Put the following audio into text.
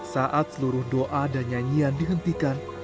saat seluruh doa dan nyanyian dihentikan